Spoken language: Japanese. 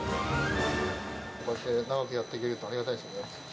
こうして長くやっていけるのはありがたいですね。